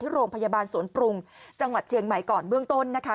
โรงพยาบาลสวนปรุงจังหวัดเชียงใหม่ก่อนเบื้องต้นนะคะ